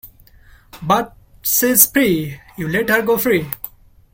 But she's free! You let her go free!